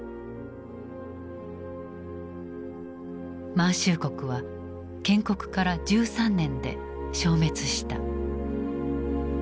満州国は建国から１３年で消滅した。